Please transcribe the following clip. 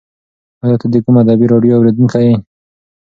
ایا ته د کوم ادبي راډیو اورېدونکی یې؟